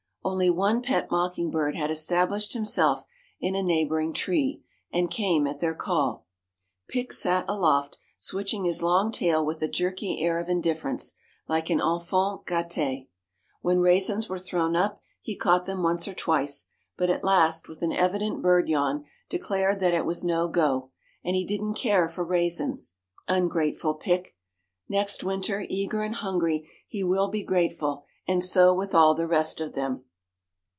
Only one pet mocking bird had established himself in a neighboring tree, and came at their call. Pic sat aloft, switching his long tail with a jerky air of indifference, like an enfant gâté. When raisins were thrown up, he caught them once or twice; but at last, with an evident bird yawn, declared that it was no go, and he didn't care for raisins. Ungrateful Pic! Next winter, eager and hungry, he will be grateful; and so with all the rest of them.